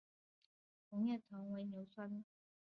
红叶藤为牛栓藤科红叶藤属的植物。